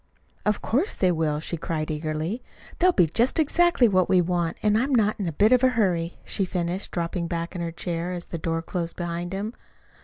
"Of course they will," she cried eagerly. "They'll be just exactly what we want, and I'm not in a bit of a hurry," she finished, dropping back in her chair as the door closed behind him.